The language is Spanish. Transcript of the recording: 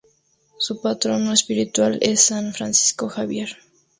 Su patrono espiritual es San Francisco Javier.